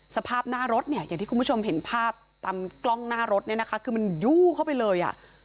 สภาพหน้ารถอย่างที่คุณผู้ชมเห็นภาพตามกล้องหน้ารถคือมันยู้เข้าไปเลย